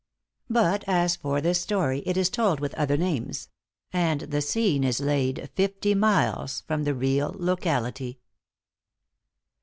But as for this story it is told with other names; and the scene is laid fifty miles from the real locality.